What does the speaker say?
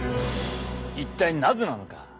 一体なぜなのか？